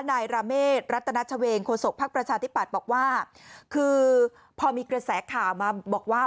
นายราเมฆรัตนาชเวงโฆษกภักดิ์ประชาธิปัตย์บอกว่าคือพอมีกระแสข่าวมาบอกว่า